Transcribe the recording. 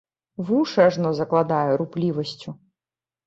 Вушы ажно закладае руплівасцю.